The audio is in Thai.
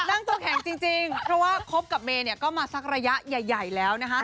นั่งตัวแข็งจริงเพราะว่าคบกับเมย์เนี่ยก็มาสักระยะใหญ่แล้วนะคะ